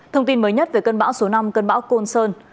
thông tin mới nhất về cơn bão số năm cơn bão côn sơn